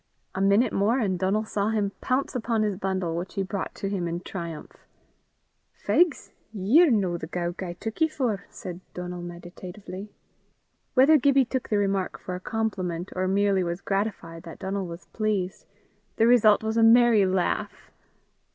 A minute more and Donal saw him pounce upon his bundle, which he brought to him in triumph. "Fegs! ye're no the gowk I took ye for," said Donal meditatively. Whether Gibbie took the remark for a compliment, or merely was gratified that Donal was pleased, the result was a merry laugh.